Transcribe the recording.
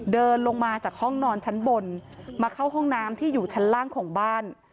เดินลงมาจากห้องนอนชั้นบนมาเข้าห้องน้ำที่อยู่ชั้นล่างของบ้าน